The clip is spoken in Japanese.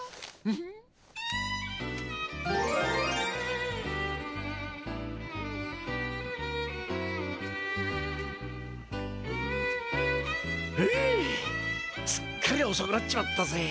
ふうすっかりおそくなっちまったぜ。